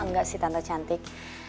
enggak sih tante cantik